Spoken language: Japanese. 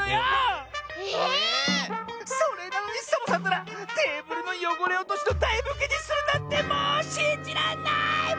ええ⁉それなのにサボさんったらテーブルのよごれおとしのだいふきにするなんてもうしんじらんない！